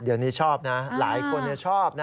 เดี๋ยวนี้ชอบนะหลายคนชอบนะ